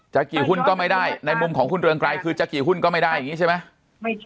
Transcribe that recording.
กี่หุ้นก็ไม่ได้ในมุมของคุณเรืองไกรคือจะกี่หุ้นก็ไม่ได้อย่างนี้ใช่ไหม